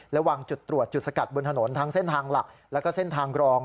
และวางจุดตรวจจุดสกัดบนถนนทั้งเส้นทางหลักแล้วก็เส้นทางรอง